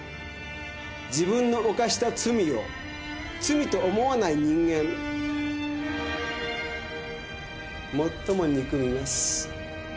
自分の犯した罪を罪と思わない人間もっとも憎みます。